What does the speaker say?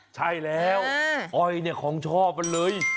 ใช่แล้วอ้อยเนี่ยของชอบมันเลย